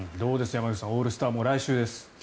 山口さんオールスター、来週です。